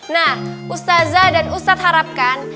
nah ustazah dan ustadz harapkan